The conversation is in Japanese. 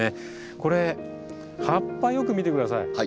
これ葉っぱよく見て下さい。